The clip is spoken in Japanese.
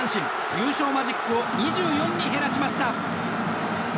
優勝マジックを２４に減らしました。